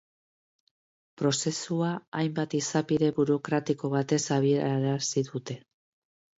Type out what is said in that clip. Prozesua hainbat izapide burokratiko betez abiarazi dute.